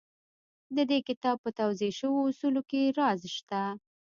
د دې کتاب په توضيح شويو اصولو کې راز شته.